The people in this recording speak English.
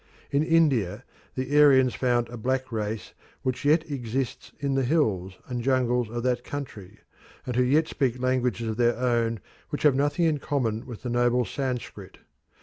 In India the Aryans found a black race which yet exist in the hills and jungles of that country, and who yet speak languages of their own which have nothing in common with the noble Sanskrit.